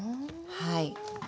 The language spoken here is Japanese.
はい。